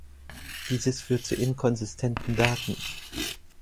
Dieses führt zu inkonsistenten Daten.